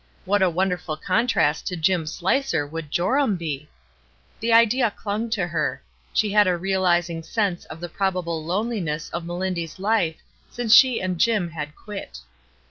What a wonderful contrast to Jim Slicer would SURPRISES 321 Joram be! The idea clung to her; she had a realizing sense of the probable loneliness of Melindy's life since she and Jim had "quit."